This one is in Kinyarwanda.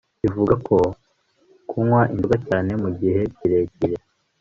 ivuga ko kunywa inzoga cyane mu gihe kirekire